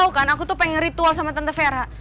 lu kan aku tuh pengen ritual sama tante vera